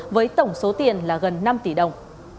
với tổng số tiền là gần năm tỷ đồng